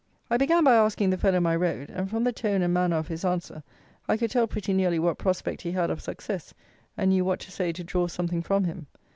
I began by asking the fellow my road; and, from the tone and manner of his answer, I could tell pretty nearly what prospect he had of success, and knew what to say to draw something from him.